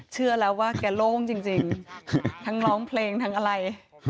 เชื่อแล้วว่าแกโล่งจริงทั้งร้องเพลงทั้งอะไร